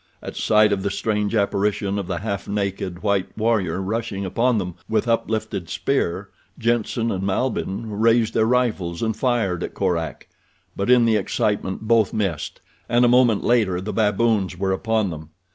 At sight of the strange apparition of the half naked white warrior rushing upon them with uplifted spear Jenssen and Malbihn raised their rifles and fired at Korak; but in the excitement both missed and a moment later the baboons were upon them.